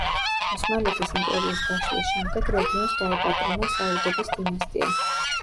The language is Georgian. ოსმალეთის იმპერიის დაშლის შემდეგ რეგიონს დაეპატრონა საუდების დინასტია.